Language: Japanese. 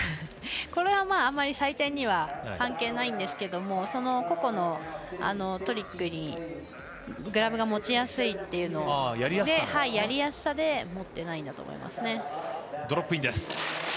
これはあまり採点には関係ないんですけど個々のトリックでグラブが持ちやすいっていうのでやりやすさで持っていないと思います。